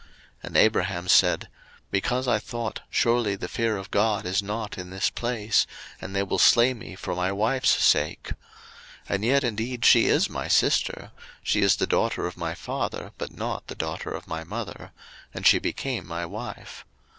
01:020:011 And Abraham said, Because I thought, Surely the fear of God is not in this place; and they will slay me for my wife's sake. 01:020:012 And yet indeed she is my sister; she is the daughter of my father, but not the daughter of my mother; and she became my wife.